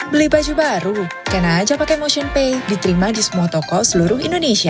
beli baju baru kena aja pake motionpay diterima di semua toko seluruh indonesia